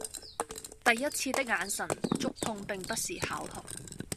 第一次的眼神觸碰並不是巧合